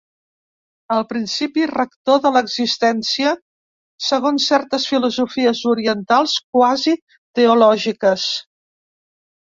El principi rector de l'existència segons certes filosofies orientals quasi teològiques.